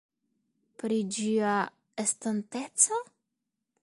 Pri Ĝia estonteco?